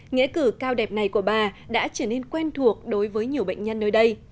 nghĩa cử cao đẹp này của bà đã trở nên quen thuộc đối với nhiều bệnh nhân nơi đây